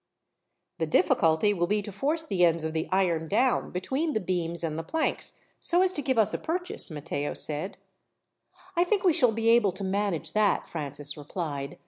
"The difficulty will be to force the ends of the iron down, between the beams and the planks, so as to give us a purchase," Matteo said. "I think we shall be able to manage that," Francis replied.